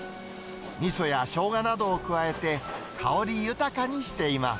みそやしょうがなどを加えて、香り豊かにしています。